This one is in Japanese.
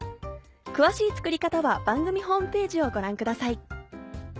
詳しい作り方は番組ホームページをご覧ください。